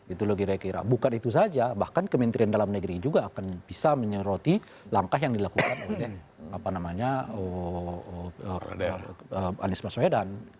itulah kira kira bukan itu saja bahkan kementerian dalam negeri juga akan bisa menyeroti langkah yang dilakukan oleh anies baswedan